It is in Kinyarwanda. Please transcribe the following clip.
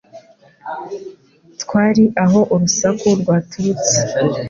Twari aho urusaku rwaturutse